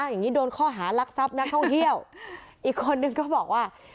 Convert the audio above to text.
อย่างนี้โดนข้อหารักทรัพย์นักท่องเที่ยวอีกคนนึงก็บอกว่า